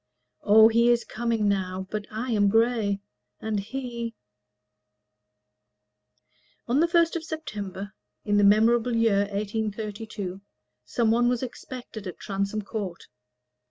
'" O, he is coming now but I am gray: And he On the first of September, in the memorable year 1832, some one was expected at Transome Court.